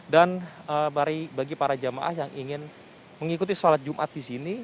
dan bagi para jamaah yang ingin mengikuti sholat jumat di sini